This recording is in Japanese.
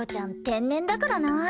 天然だからな。